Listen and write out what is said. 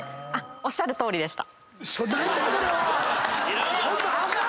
おっしゃるとおりだった。